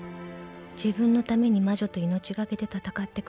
自分のために魔女と命懸けで戦ってくれた人なんだって。